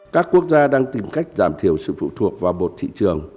các quốc gia đang tìm cách giảm thiểu sự phụ thuộc vào một thị trường